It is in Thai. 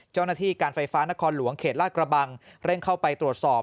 เจ้าหน้าที่การไฟฟ้านครหลวงเขตลาดกระบังเร่งเข้าไปตรวจสอบ